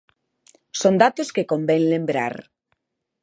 Son datos que convén lembrar.